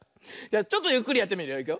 じゃちょっとゆっくりやってみるよ。